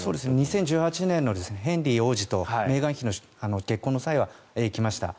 ２０１８年のヘンリー王子とメーガン妃の結婚の際は行きました。